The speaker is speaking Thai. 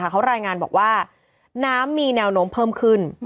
เขารายงานบอกว่าน้ำมีแนวโน้มเพิ่มขึ้น